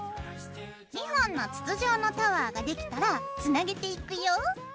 ２本の筒状のタワーができたらつなげていくよ。